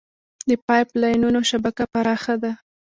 د پایپ لاینونو شبکه پراخه ده.